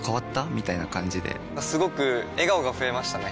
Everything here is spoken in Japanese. みたいな感じですごく笑顔が増えましたね！